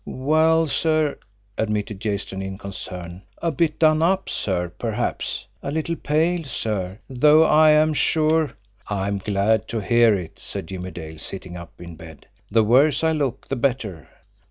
"Well, sir," admitted Jason, in concern; "a bit done up, sir, perhaps. A little pale, sir; though I'm sure " "I'm glad to hear it," said Jimmie Dale, sitting up in bed. "The worse I look, the better!"